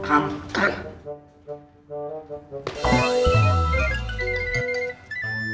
kusuitnya sudah mengatur jadwal